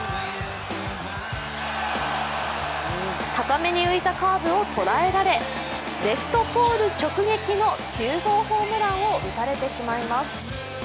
高めに浮いたカーブを捉えられ、レフトポール直撃の９号ホームランを打たれてしまいます。